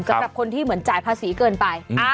สำหรับคนที่เหมือนจ่ายภาษีเกินไป